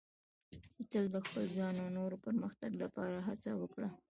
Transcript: چې تل د خپل ځان او نورو پرمختګ لپاره هڅه وکړه.